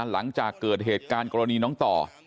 หลังจากเกิดเหตุการณ์กรณีน้องต่อ